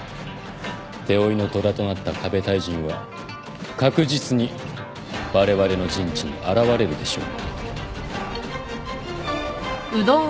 手負いの虎となったＫＡＢＥ太人は確実にわれわれの陣地に現れるでしょう。